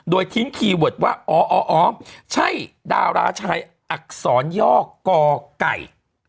โดยทิ้งคีย์เวิร์ดว่าอ๋อออมใช่ดาราชายอักษรย่อกไก่